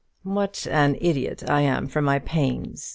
"What an idiot I am for my pains!"